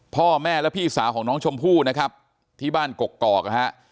พ่อแม่และพี่สาวของน้องชมพู่นะครับที่บ้านกกอกนะฮะ